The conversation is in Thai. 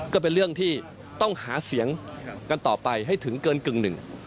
ก็เป็นเรื่องที่ต้องหาเสียงกันต่อไปให้ถึงเกินกึ่งหนึ่ง